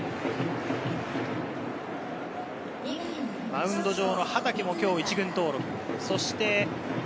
マウンド上の畠も今日１軍登録。